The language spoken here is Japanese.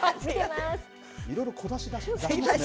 いろいろ小出しにしてますね。